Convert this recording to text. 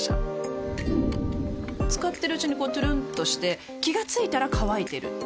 使ってるうちにこうトゥルンとして気が付いたら乾いてる